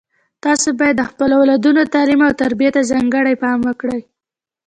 تاسو باید د خپلو اولادونو تعلیم او تربیې ته ځانګړی پام وکړئ